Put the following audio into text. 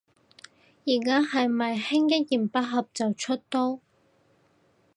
而家係咪興一言不合就出刀